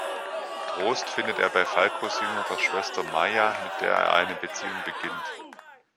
Trost findet er bei Falcos jüngerer Schwester Maia, mit der er eine Beziehung beginnt.